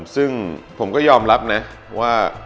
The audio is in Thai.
ซึ่งผมก็ยอมรับนะว่า